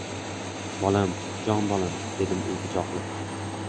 Bolam! Jon bolam, - dedim iltijo qilib.